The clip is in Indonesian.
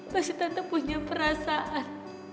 pasti tante punya perasaan